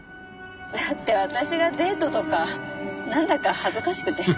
だって私がデートとかなんだか恥ずかしくて。